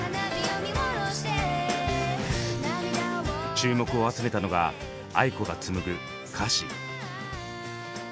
注目を集めたのがａｉｋｏが紡ぐ歌詞。